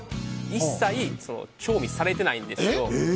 一切、調味されていないんですよ。